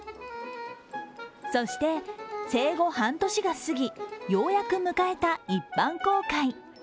そして、生後半年が過ぎようやく迎えた一般公開。